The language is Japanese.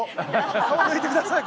顔抜いてください